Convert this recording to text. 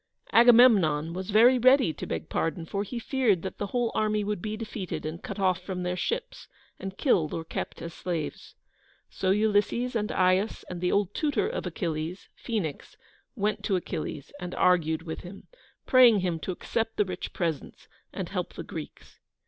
Agamemnon was very ready to beg pardon, for he feared that the whole army would be defeated, and cut off from their ships, and killed or kept as slaves. So Ulysses and Aias and the old tutor of Achilles, Phoenix, went to Achilles and argued with him, praying him to accept the rich presents, and help the Greeks.